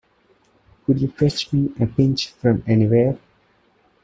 Could you fetch me a pinch from anywhere?